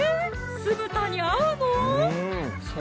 酢豚に合うの？